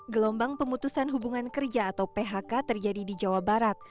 gelombang pemutusan hubungan kerja atau phk terjadi di jawa barat